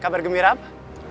kabar gembira apa